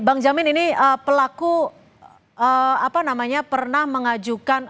bang jamin ini pelaku pernah mengajukan